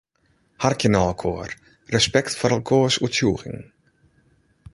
Harkje nei elkoar, respekt foar elkoars oertsjûging.